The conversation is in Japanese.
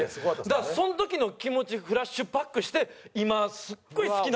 だからその時の気持ちフラッシュバックして今すごい好きなんですよ！